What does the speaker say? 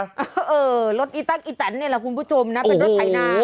เออรถไอ้แต๊คไอ้ตันเป็นรถไทนาน